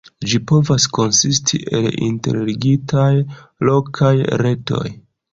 Ĝi povas konsisti el interligitaj lokaj retoj.